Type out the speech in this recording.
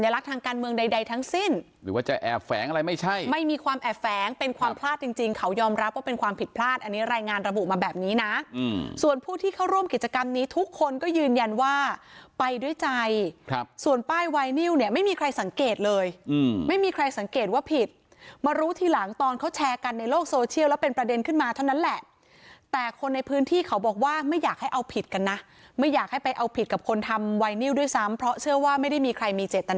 รับว่าเป็นความผิดพลาดอันนี้รายงานระบุมาแบบนี้นะส่วนผู้ที่เข้าร่วมกิจกรรมนี้ทุกคนก็ยืนยันว่าไปด้วยใจส่วนป้ายไวนิวเนี่ยไม่มีใครสังเกตเลยไม่มีใครสังเกตว่าผิดมารู้ทีหลังตอนเขาแชร์กันในโลกโซเชียลแล้วเป็นประเด็นขึ้นมาเท่านั้นแหละแต่คนในพื้นที่เขาบอกว่าไม่อยากให้เอาผิดกันนะไม่